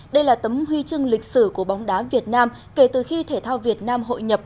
đây là tấm huy chương lịch sử của bóng đá việt nam kể từ khi thể thao việt nam hội nhập